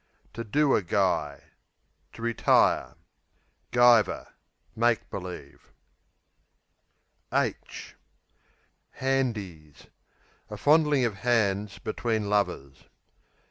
Guy, to do a To retire. Guyver Make believe. Hankies A fondling of hands between lovers.